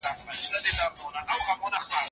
د مسمومیت ضد واکسین لا تر اوسه نه دی جوړ شوی.